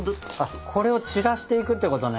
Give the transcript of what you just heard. これを散らしていくってことね？